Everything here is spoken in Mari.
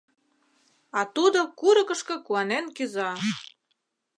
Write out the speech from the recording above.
А тудо курыкышко куанен кӱза.